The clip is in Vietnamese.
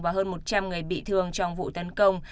và hơn một trăm linh người bị thương trong vụ tấn công